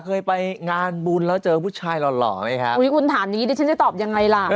เคยไปงานบุญแล้วเจอผู้ชายหล่อหล่อไหมฮะอุ้ยคุณถามอย่างงี้ดิฉันจะตอบยังไงล่ะ